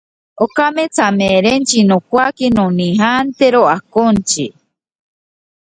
Este trabajo le requirió realizar la trayectoria de lanzamiento del cohete a mano.